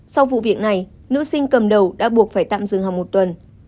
sau vụ việc này nữ sinh cầm đầu đã buộc phải tạm dừng học một tuần